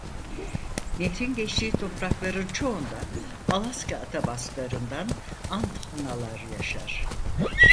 Nehrin geçtiği toprakların çoğunda Alaska Atabasklarından Ahtnalar yaşar.